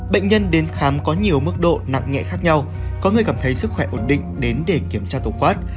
bệnh nhân đến khám có nhiều mức độ nặng nhẹ khác nhau có người cảm thấy sức khỏe ổn định đến để kiểm tra tổ quát